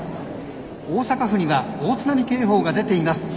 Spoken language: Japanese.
大阪府には大津波警報が出ています。